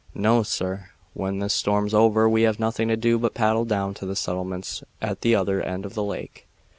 No, sir; when this storm's over we have nothing to do but paddle down to the settlements at the other end of the lake."